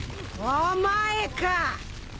お前か。